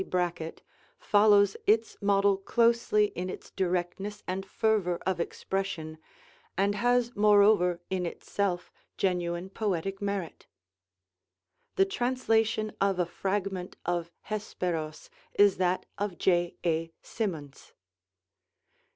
Brackett, follows its model closely in its directness and fervor of expression, and has moreover in itself genuine poetic merit. The translation of a fragment of 'Hesperos' is that of J.A. Symonds.